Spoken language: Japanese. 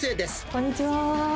こんにちは。